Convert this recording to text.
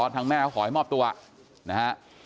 ทางแม่เขาขอให้มอบตัวนะฮะ